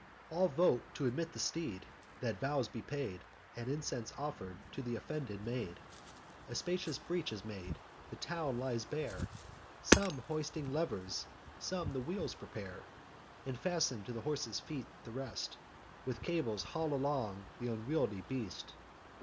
All vote t' admit the steed, that vows be paid And incense offer'd to th' offended maid. A spacious breach is made; the town lies bare; Some hoisting levers, some the wheels prepare And fasten to the horse's feet; the rest With cables haul along th' unwieldly beast.